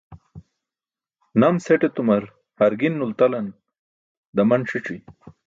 Nams het etumar hargin nultalan daman ṣi̇c̣i.